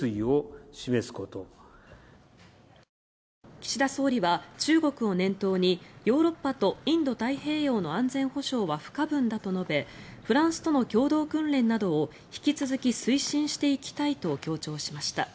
岸田総理は中国を念頭にヨーロッパとインド太平洋の安全保障は不可分だと述べフランスとの共同訓練などを引き続き推進していきたいと強調しました。